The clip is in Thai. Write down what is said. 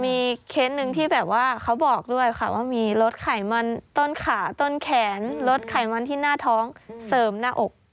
มีเคสหนึ่งที่แบบว่าเขาบอกด้วยค่ะว่ามีรถไขมันต้นขาต้นแขนลดไขมันที่หน้าท้องเสริมหน้าอก